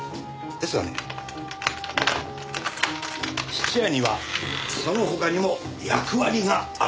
質屋にはその他にも役割がある。